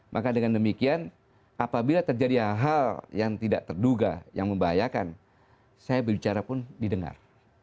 maka dengan demikian apabila terjadi hal hal yang tidak terduga yang membahayakan saya berbicara pun didengar